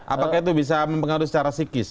apakah itu bisa mempengaruhi secara psikis